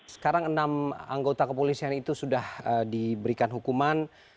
sekarang enam anggota kepolisian itu sudah diberikan hukuman